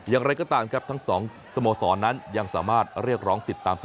อย่างไรก็ตามครับทั้งสองสโมสรนั้นยังสามารถเรียกร้องสิทธิ์ตามเสมอ